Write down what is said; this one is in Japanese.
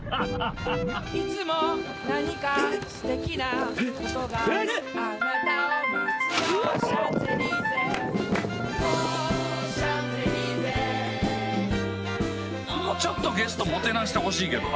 もうちょっとゲストもてなしてほしいけどな。